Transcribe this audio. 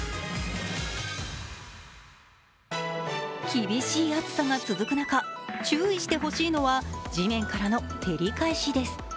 厳しい暑さが続く中注意してほしいのは地面からの照り返しです。